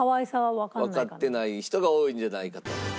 わかってない人が多いんじゃ。